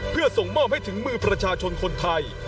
เพื่อส่งมอบให้ถึงมือประชาชนคนไทย